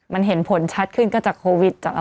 มันเห็นผลชัดขึ้นก็จากโควิด